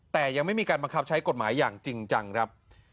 แต่ยังไม่มีการบังคับใช้กฎหมายอย่างจริงจังครับ